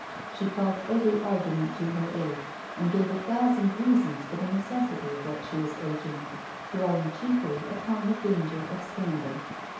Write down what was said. She called every argument to her aid, and gave a thousand reasons for the necessity of what she was urging, dwelling chiefly upon the danger of scandal.